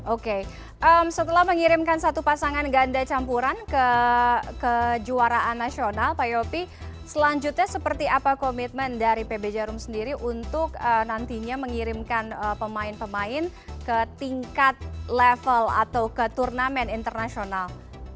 oke setelah mengirimkan satu pasangan ganda campuran kejuaraan nasional pak yopi selanjutnya seperti apa komitmen dari pb jarum sendiri untuk nantinya mengirimkan pemain pemain ke tingkat level atau ke turnamen internasional